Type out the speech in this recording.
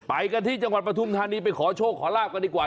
ไปกันที่จังหวัดปฐุมธานีไปขอโชคขอลาบกันดีกว่า